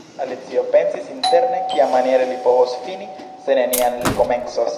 Alicio pensis interne, "Kiamaniere li povos fini, se neniam li komencos. »